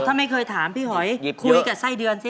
ถ้าไม่เคยถามพี่หอยคุยกับไส้เดือนสิ